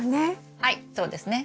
はいそうですね。